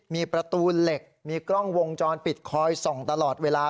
มีประตูเหล็กมีกล้องวงจรปิดคอยส่องตลอดเวลา